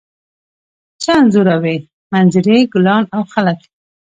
څه انځوروئ؟ منظرې، ګلان او خلک